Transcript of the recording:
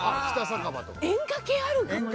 演歌系あるかもね。